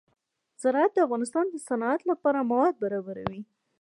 زراعت د افغانستان د صنعت لپاره مواد برابروي.